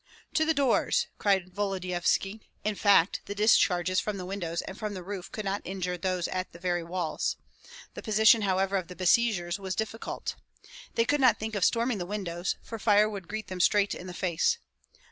"To the doors!" cried Volodyovski. In fact, the discharges from the windows and from the roof could not injure those at the very walls. The position, however, of the besiegers was difficult. They could not think of storming the windows, for fire would greet them straight in the face.